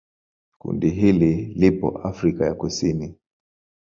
Kundi hili lipo Afrika ya Kusini.